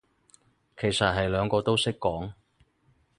其實係兩個都識講